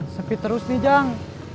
sepi terus nih jang